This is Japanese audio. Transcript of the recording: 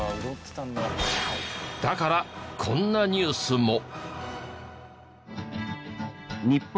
だからこんなニュースも。